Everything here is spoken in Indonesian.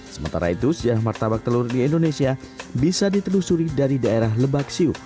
sementara itu sejarah martabak telur di indonesia bisa ditelusuri dari daerah lebak siuk